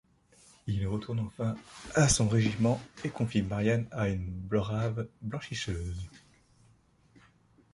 Il retourne enfin à son régiment et confie Marianne à une brave blanchisseuse.